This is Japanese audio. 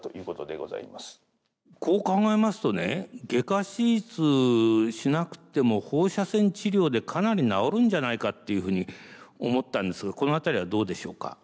こう考えますとね外科手術しなくても放射線治療でかなり治るんじゃないかっていうふうに思ったんですがこの辺りはどうでしょうか？